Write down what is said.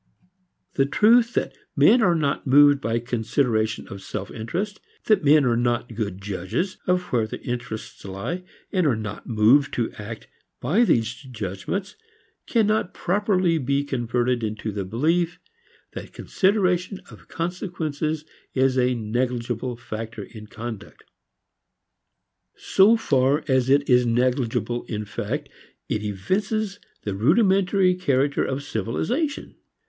The truth that men are not moved by consideration of self interest, that men are not good judges of where their interests lie and are not moved to act by these judgments, cannot properly be converted into the belief that consideration of consequences is a negligible factor in conduct. So far as it is negligible in fact it evinces the rudimentary character of civilization.